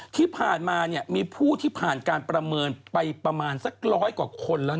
ที่ผ่านมามีผู้ที่ผ่านการประเมินไปประมาณสักร้อยกว่าคนแล้ว